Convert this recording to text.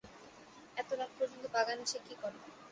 এত রাত পর্যন্ত বাগানে সে কী করে?